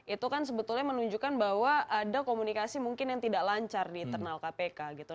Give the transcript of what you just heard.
itu kan sebetulnya menunjukkan bahwa ada komunikasi mungkin yang tidak lancar di internal kpk gitu